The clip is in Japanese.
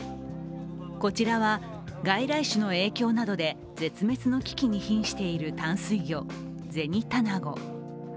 こちらは外来種の影響などで絶滅の危機にひんしている淡水魚、ゼニタナゴ。